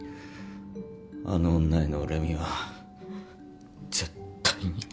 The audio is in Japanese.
あの女への恨みは絶対に消えない。